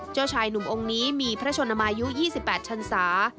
เจ้าชายหนุ่มองค์นี้มีพระชนมายุ๒๘ชันศา